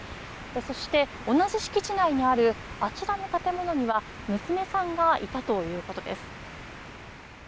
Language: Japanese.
そして、同じ敷地内にあるあちらの建物には娘さんがいたとということです。